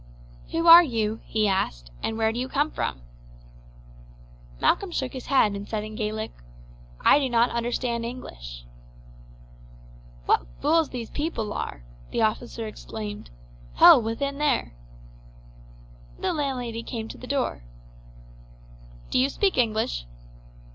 "Who are you?" he asked; "and where do you come from?" Malcolm shook his head and said in Gaelic: "I do not understand English." "What fools these people are!" the officer exclaimed. "Ho, within there!" The landlady came to the door. "Do you speak English?"